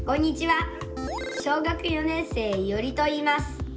小学４年生いおりといいます。